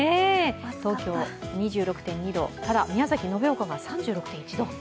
東京、２６．２度ただ、宮崎・延岡が３６．１度。